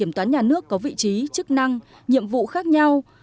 kiểm toán nhà nước có vị trí chức năng nhiệm vụ khác nhau